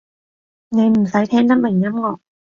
你唔使聽得明音樂